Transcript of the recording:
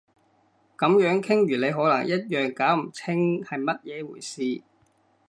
噉樣傾完你可能一樣搞唔清係乜嘢回事